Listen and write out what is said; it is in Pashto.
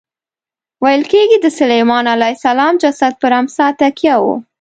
ویل کېږي د سلیمان علیه السلام جسد پر امسا تکیه و.